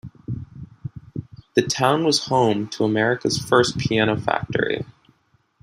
The town was home to America's first piano factory.